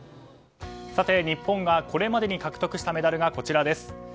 日本がこれまでに獲得したメダルがこちらです。